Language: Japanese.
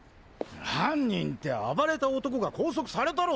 犯人って暴れた男が拘束されたろ！